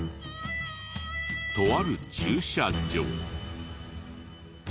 とある駐車場。